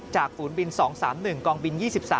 ฝูนบิน๒๓๑กองบิน๒๓